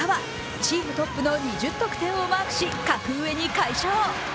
チームトップの２０得点をマークし、格上に快勝。